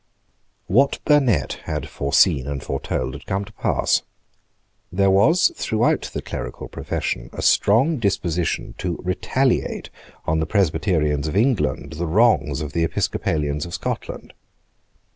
What Burnet had foreseen and foretold had come to pass. There was throughout the clerical profession a strong disposition to retaliate on the Presbyterians of England the wrongs of the Episcopalians of Scotland.